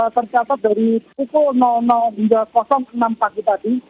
tercatat dari pukul hingga enam pagi tadi